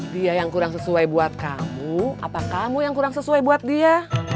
dia yang kurang sesuai buat kamu apakah kamu yang kurang sesuai buat dia